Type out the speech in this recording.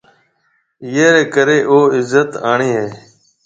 ايئي ريَ ڪريَ او عِزت آݪو هيَ۔